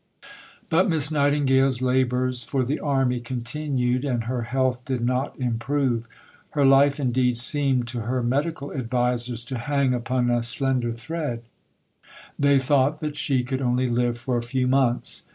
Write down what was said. But Miss Nightingale's labours for the Army continued, and her health did not improve. Her life indeed seemed to her medical advisers to hang upon a slender thread; they thought that she could only live for a few months.